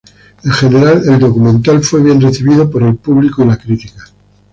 En general, el documental fue bien recibido por el público y la crítica.